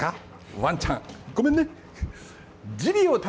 ワンちゃん、ごめんね。